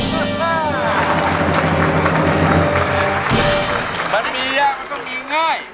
มันมียากมันก็มีง่าย